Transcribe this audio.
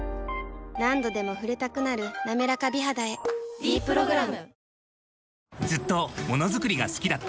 何度でも触れたくなる「なめらか美肌」へ「ｄプログラム」